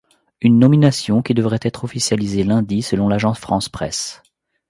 Une nomination qui devrait être officialisée lundi, selon l’Agence France-Presse.